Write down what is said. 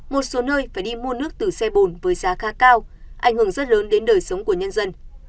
một số nơi phải đi mua nước từ xe bồn với giá khá cao ảnh hưởng rất lớn đến đời sống của nhân dân